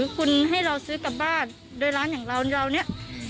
คุณให้เราซื้อกลับบ้านโดยร้านอย่างเราเราเนี่ย